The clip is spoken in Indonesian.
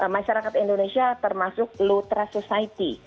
masyarakat indonesia termasuk lutra society